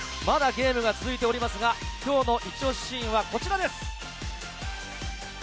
まだゲームは続いておりますが今日のイチ推しシーンはこちらです。